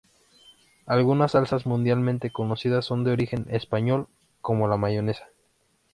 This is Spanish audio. Algunas salsas mundialmente conocidas son de origen español, como la mayonesa.